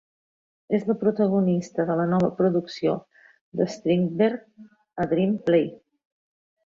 És la protagonista de la nova producció d'Strindberg "A Dream Play".